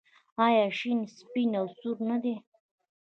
آیا شین سپین او سور نه دي؟